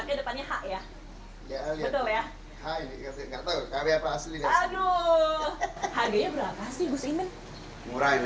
murah ini beli di surabaya